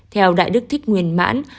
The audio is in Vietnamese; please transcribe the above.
theo đại đức thích nguyên mãn